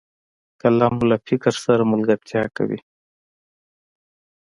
قلم له فکر سره ملګرتیا کوي